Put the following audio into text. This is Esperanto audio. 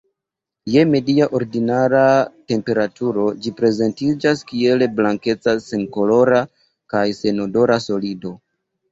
Je media ordinara temperaturo ĝi prezentiĝas kiel blankeca-senkolora kaj senodora solido.